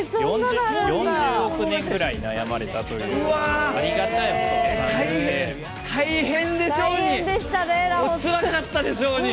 ４０億年ぐらい悩み続けたという大変でしょうに！